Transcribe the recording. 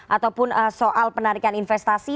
ataupun soal penarikan investasi